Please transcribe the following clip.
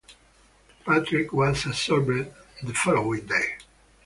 Patrick was absorbed the following day.